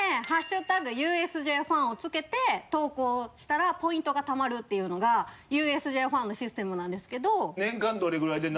ＳＮＳで「＃ＵＳＪファン」を付けて投稿したらポイントがたまるっていうのがＵＳＪファンのシステムなんですけど。